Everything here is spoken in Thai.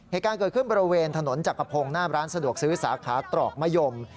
เหตุการณ์เกิดขึ้นบริเวณถนนจักรพงศ์หน้าร้านสะดวกซื้อสาขาตรอกมะยม